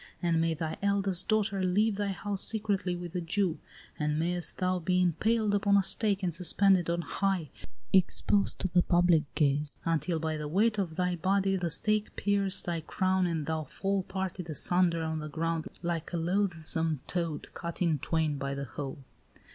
And may thy eldest daughter leave thy house secretly with a Jew! And mayest thou be impaled upon a stake, and suspended on high, exposed to the public gaze, until by the weight of thy body the stake pierce thy crown and thou fall parted asunder on the ground like a loathsome toad cut in twain by the hoe!